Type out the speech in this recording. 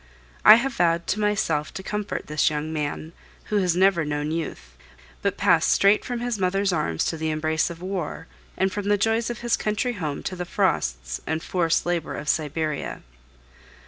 I have vowed to myself to comfort this young man, who has never known youth, but passed straight from his mother's arms to the embrace of war, and from the joys of his country home to the frosts and forced labor of Siberia.